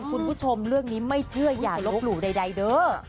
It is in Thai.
คุณผู้ชมเรื่องนี้ไม่เชื่ออย่าลบหลู่ใดเด้อ